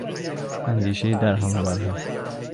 اندیشهی درهم و برهم